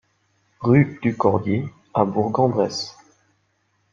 Rue du Cordier à Bourg-en-Bresse